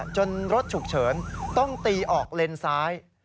รถฉุกเฉินต้องตีออกเลนซ้าย